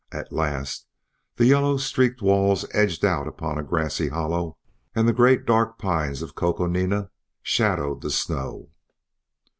At last the yellow streaked walls edged out upon a grassy hollow and the great dark pines of Coconina shadowed the snow.